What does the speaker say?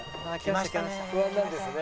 不安なんですね。